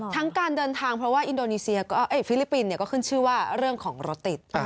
ทั้งการเดินทางเพราะว่าฟิลิปปินส์ก็ขึ้นชื่อว่าเรื่องของรถติด